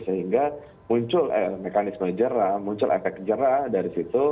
sehingga muncul mekanisme jera muncul efek jera dari situ